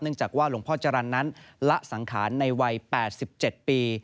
จากว่าหลวงพ่อจรรย์นั้นละสังขารในวัย๘๗ปี